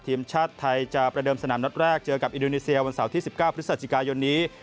ทีมชาติไทยจะประเดิมสนามนัดแรกเจอกับอินโดนีเซียวันเสาร์ที่๑๙พฤศจิกายนนี้